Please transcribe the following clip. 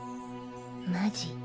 マジ？